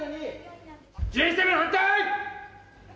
Ｇ７反対！